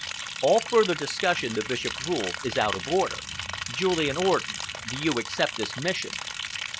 "All further discussion," the Bishop ruled, "is out of order. Julian Orden, do you accept this mission?"